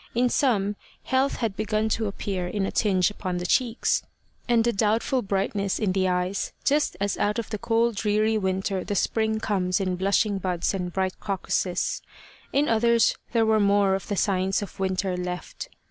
In some, health had begun to appear in a tinge upon the cheeks, and a doubtful brightness in the eyes, just as out of the cold dreary winter the spring comes in blushing buds and bright crocuses. In others there were more of the signs of winter left.